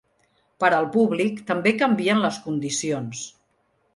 Per al públic també canvien les condicions.